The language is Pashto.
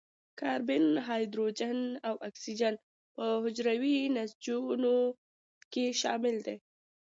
کاربن، هایدروجن او اکسیجن په حجروي نسجونو کې شامل دي.